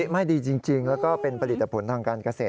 ไม่ดีจริงแล้วก็เป็นผลิตผลทางการเกษตร